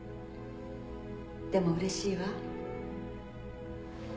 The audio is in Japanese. でもうれしいわ。